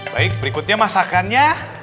baik berikutnya masakannya